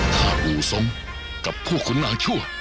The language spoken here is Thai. ถ้าอู่สงฆ์กับผู้คุณนางชั่ว